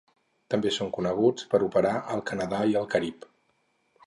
També són coneguts per operar al Canadà i al Carib.